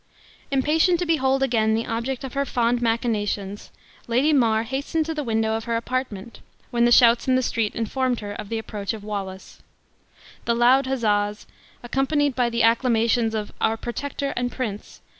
Impatient to behold again the object of her fond machinations, Lady Mar hastened to the window of her apartment, when the shouts in the streets informed her of the approach of Wallace. The loud huzzas, accompanied by the acclamations of "Our protector and prince!"